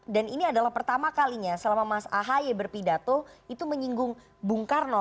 dan ini adalah pertama kalinya selama mas ahaye berpidato itu menyinggung bung karno